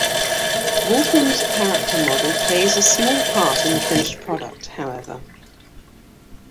Wolfram's character model plays a small part in the finished product, however.